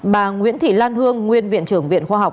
bà nguyễn thị lan hương nguyên viện trưởng viện khoa học